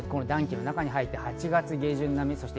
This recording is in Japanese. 暖気の中に入って８月下旬並み。